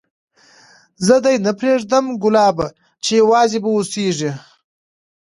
زه دي نه پرېږدم ګلابه چي یوازي به اوسېږې